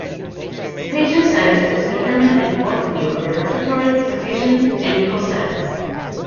The patient's status is determined an overview of their respiratory, perfusion, and mental status.